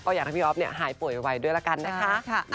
อยากให้พี่อ๊อฟหายป่วยไวด้วยละกันนะคะ